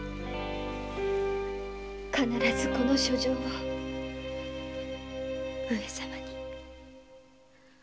必ずこの書状を上様に。